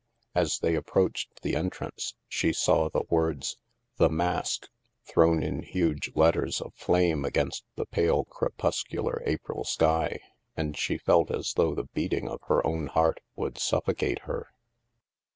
As they ap proached the entrance, she saw the words "The Mask " thrown in huge letters of flame against the pale crepuscular April sky, and she felt as though the beating of her own heart would suffocate her.